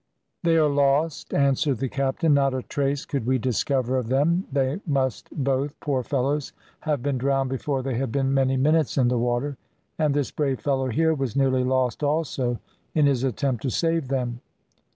"They are lost," answered the captain, "not a trace could we discover of them. They must both, poor fellows, have been drowned before they had been many minutes in the water, and this brave fellow here was nearly lost also in his attempt to save them.